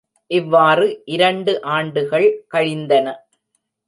இவ்வாறு இரண்டு ஆண்டுகள் கழிந்தன.